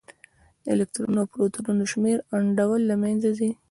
د الکترونونو او پروتونونو شمېر انډول له منځه ځي.